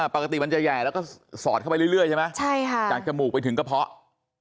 ปกติมันจะแห่แล้วก็สอดเข้าไปเรื่อยใช่ไหมใช่ค่ะจากจมูกไปถึงกระเพาะ